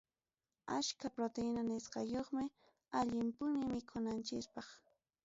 Achka proteína nisqayuqmi, allin punim mikunanchukpaq.